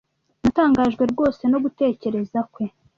Natangajwe rwose no gutekereza kwe.